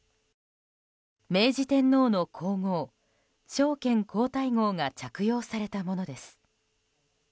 明治天皇の皇后、昭憲皇太后が着用されたものです。